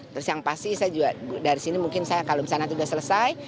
terus yang pasti saya juga dari sini mungkin saya kalau misalnya sudah selesai